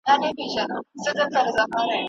د موسک غومبوري په ښکلي ګرداو کې ننوته.